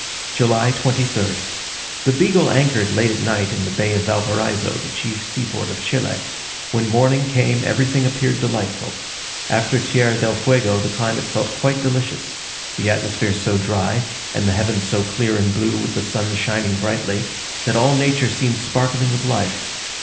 JULY 23rd. The Beagle anchored late at night in the bay of Valparaiso, the chief seaport of Chile. When morning came, everything appeared delightful. After Tierra del Fuego, the climate felt quite delicious the atmosphere so dry, and the heavens so clear and blue with the sun shining brightly, that all nature seemed sparkling with life.